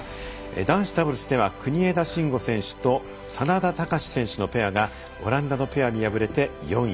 男子ダブルスでは国枝慎吾選手と眞田卓選手のペアがオランダのペアに敗れて４位。